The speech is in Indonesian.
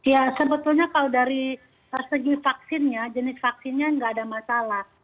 ya sebetulnya kalau dari segi vaksinnya jenis vaksinnya nggak ada masalah